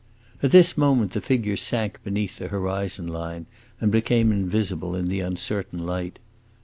At this moment the figure sank beneath the horizon line and became invisible in the uncertain light.